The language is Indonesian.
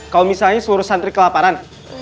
kalau misalnya seluruh santri kelaparan